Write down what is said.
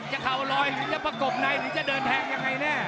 เข่าลอยหรือจะประกบในหรือจะเดินแทงยังไงแน่